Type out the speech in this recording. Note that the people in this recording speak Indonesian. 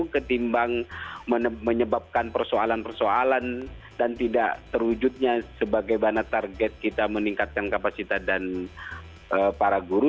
ketimbang menyebabkan persoalan persoalan dan tidak terwujudnya sebagaimana target kita meningkatkan kapasitas dan para guru